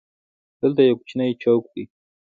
دلته یو کوچنی چوک دی.